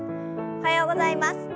おはようございます。